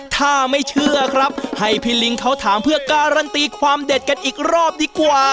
ถ้าไม่เชื่อครับให้พี่ลิงเขาถามเพื่อการันตีความเด็ดกันอีกรอบดีกว่า